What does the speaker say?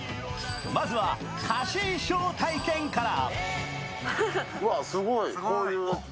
まずは貸衣装体験から。